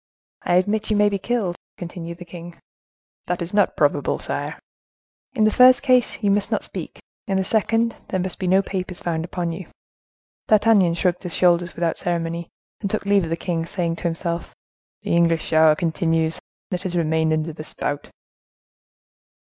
"I admit you may be killed," continued the king. "That is not probable, sire." "In the first case, you must not speak; in the second there must be no papers found upon you." D'Artagnan shrugged his shoulders without ceremony, and took leave of the king, saying to himself:—"The English shower continues—let us remain under the spout!"